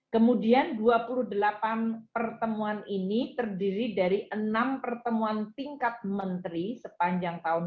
kemudian dua puluh delapan pertemuan ini terdiri dari enam pertemuan tingkat menteri sepanjang tahun dua ribu dua puluh